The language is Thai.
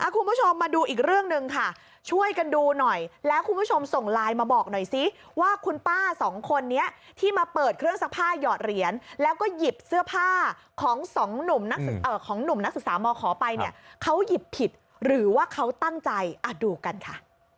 คุณผู้ชมมาดูอีกเรื่องหนึ่งค่ะช่วยกันดูหน่อยแล้วคุณผู้ชมส่งไลน์มาบอกหน่อยซิว่าคุณป้าสองคนนี้ที่มาเปิดเครื่องซักผ้าหยอดเหรียญแล้วก็หยิบเสื้อผ้าของสองหนุ่มของหนุ่มนักศึกษามขอไปเนี่ยเขาหยิบผิดหรือว่าเขาตั้งใจดูกันค่ะ